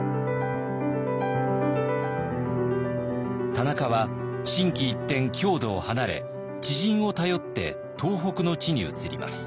田中は心機一転郷土を離れ知人を頼って東北の地に移ります。